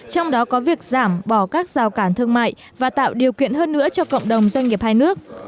trong đó có việc giảm bỏ các rào cản thương mại và tạo điều kiện hơn nữa cho cộng đồng doanh nghiệp hai nước